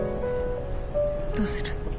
どうする？